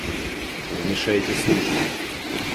Вы мешаете слушать.